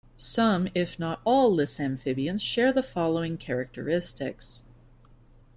Some, if not all, lissamphibians share the following characteristics.